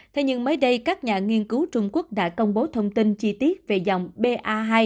thế nhưng mới đây các nhà nghiên cứu trung quốc đã công bố thông tin chi tiết về dòng ba